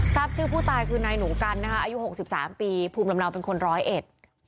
ทราบชื่อผู้ตายคือนายหนูกันอายุ๖๓ปีภูมิลำเนาเป็นคนร้อยเอ็ด